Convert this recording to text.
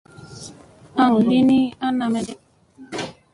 An li ni ana me ge.